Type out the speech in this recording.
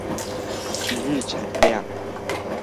一日產量